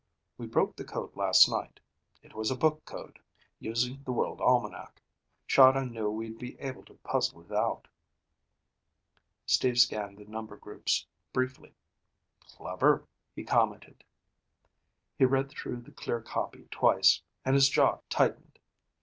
"We broke the code last night. It was a book code, using The World Almanac. Chahda knew we'd be able to puzzle it out." Steve scanned the number groups briefly. "Clever," he commented. He read through the clear copy twice, and his jaw tightened.